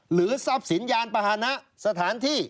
หรือทรัพย์สินญาณประหณะสถานที่